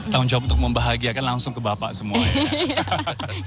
tahun jawa untuk membahagiakan langsung ke bapak semua ya